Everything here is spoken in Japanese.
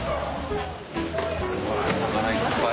すごいお魚いっぱい。